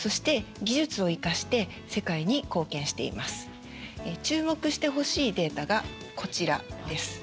実は注目してほしいデータがこちらです。